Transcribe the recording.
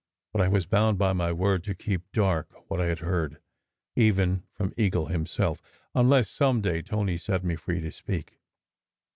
But I was bound by my word to "keep dark * what I had heard, even from Eagle himself, unless some day Tony set me free to speak.